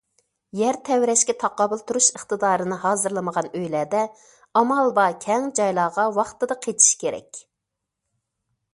يەر تەۋرەشكە تاقابىل تۇرۇش ئىقتىدارىنى ھازىرلىمىغان ئۆيلەردە ئامال بار كەڭ جايلارغا ۋاقتىدا قېچىش كېرەك.